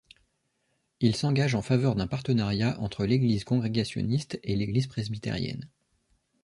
Il s'engage en faveur d'un partenariat entre l'église congrégationaliste et l'église presbytérienne.